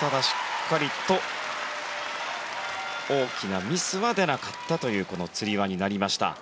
ただしっかりと大きなミスは出なかったというこのつり輪になりました。